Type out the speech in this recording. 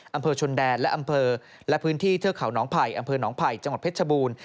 อำเภอชนแดนและอำเภอและพื้นที่เทือกเขาน้องไผ่อำเภอหนองไผ่จังหวัดเพชรชบูรณ์